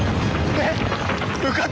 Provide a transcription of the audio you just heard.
えっ！